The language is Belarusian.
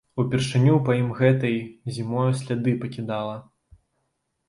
Упершыню па ім гэтай зімою сляды пакідала.